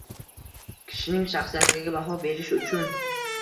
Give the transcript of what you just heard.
Kishining shaxsiyatiga baho berish uchun